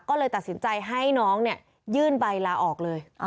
ก็เลยตัดสินใจให้น้องเนี่ยยื่นใบลาออกเลย